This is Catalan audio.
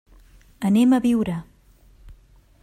Anem a Biure.